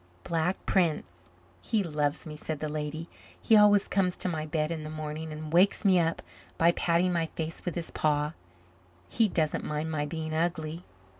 "Black Prince. He loves me," said the lady. "He always comes to my bed in the morning and wakes me by patting my face with his paw. He doesn't mind my being ugly."